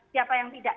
siapa yang tidak